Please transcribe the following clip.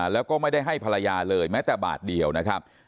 แล้วก็ไม่ได้ให้ภรรยาเลยแม้แต่บาทเดียวนะครับ